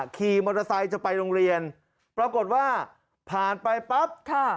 ขี่มอเตอร์ไซค์จะไปโรงเรียนปรากฏว่าผ่านไปปั๊บค่ะ